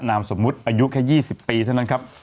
นามสมมุติอายุแค่๒๐ปีเท่านั้นครับ